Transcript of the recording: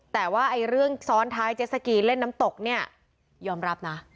แต่ว่าเรื่องซ้อนท้ายเจสสกีเล่นน้ำตกเนี่ยยอมรับนะ